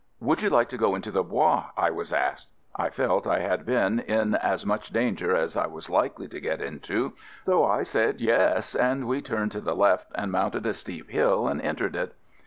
"Would you like to go into the Bois?" I was asked. I felt I had been in as much danger as I was likely to get into, so I said yes, and we turned to the left and mounted a steep hill and entered it.